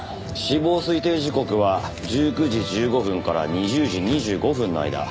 死亡推定時刻は１９時１５分から２０時２５分の間。